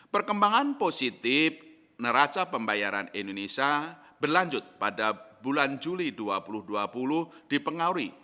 perkembangan positif neraca pembayaran indonesia berlanjut pada bulan juli dua ribu dua puluh dipengaruhi